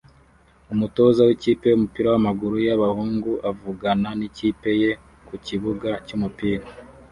Umutoza w'ikipe y'umupira w'amaguru y'abahungu avugana n'ikipe ye ku kibuga cy'umupira